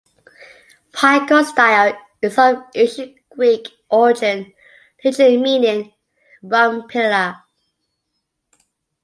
"Pygostyle" is of Ancient Greek origin, literally meaning "rump pillar".